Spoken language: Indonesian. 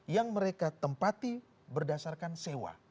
yang mereka tempati berdasarkan sewa